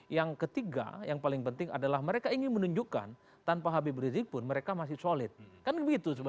yang ketiga yang paling penting adalah mereka ingin menunjukkan tanpa habib rizik pun mereka masih solid kan begitu